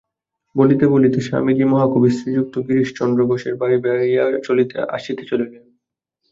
বলিতে বলিতে স্বামীজী মহাকবি শ্রীযুক্ত গিরিশচন্দ্র ঘোষের বাড়ী বেড়াইয়া আসিতে চলিলেন।